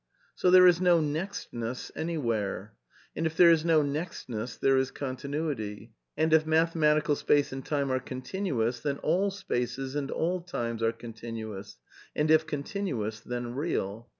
So there is' no nextness anywhere. And if there is no nextness there is continuity. And if mathematical space and time are continuous, then all spaces and all times are continuous ; and if continuous then real.